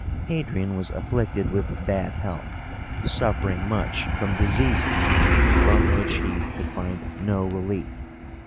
Hadrian was afflicted with bad health, suffering much from diseases from which he could find no relief.